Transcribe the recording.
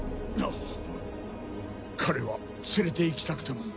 彼は連れていきたくても。